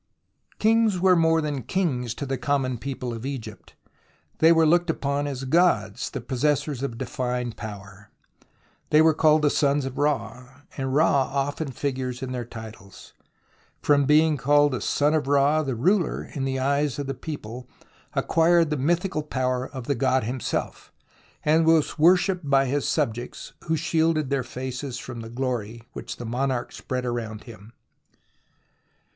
Kings were more than kings to the common people of Egypt. They were looked upon as gods, the possessors of divine power. They were called the sons of Ra, and Ra often figures in their titles. From being called the son of Ra, the ruler in the eyes of the people acquired the mythical power of the god himself, and was wor shipped by his subjects, who shielded their faces from the glory which the monarch spread around him.